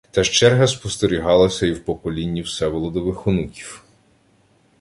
Та ж черга спостерігалася і в поколінні Всеволодових онуків